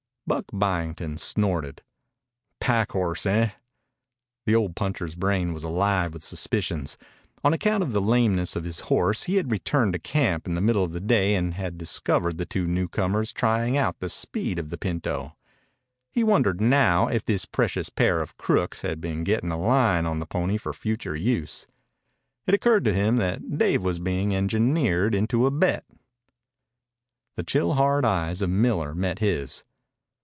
Buck Byington snorted. "Pack horse, eh?" The old puncher's brain was alive with suspicions. On account of the lameness of his horse he had returned to camp in the middle of the day and had discovered the two newcomers trying out the speed of the pinto. He wondered now if this precious pair of crooks had been getting a line on the pony for future use. It occurred to him that Dave was being engineered into a bet. The chill, hard eyes of Miller met his.